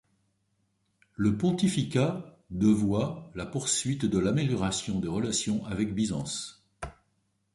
Le pontificat de voit la poursuite de l'amélioration des relations avec Byzance.